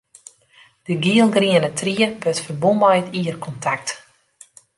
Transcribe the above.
De gielgriene tried wurdt ferbûn mei it ierdkontakt.